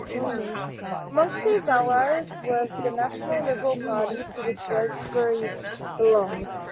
Amongst these allies was the National Liberal Party to which Rosebery belonged.